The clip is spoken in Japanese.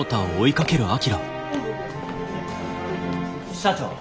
社長。